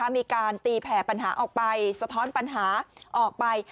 มีการตีแผ่ปัญหาออกไปสะท้อนปัญหาออกไป